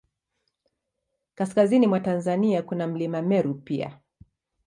Kaskazini mwa Tanzania, kuna Mlima Meru pia.